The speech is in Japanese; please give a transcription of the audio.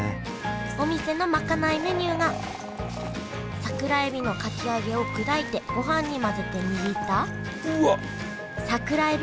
お店のまかないメニューが桜えびのかき揚げを砕いてごはんに混ぜて握った桜えび